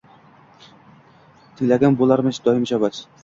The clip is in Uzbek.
Tilagim bo’larmish doim ijobat.